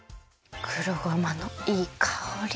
黒ごまのいいかおり。